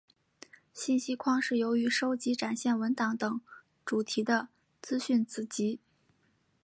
信息框是由于收集展现文档等主题的资讯子集。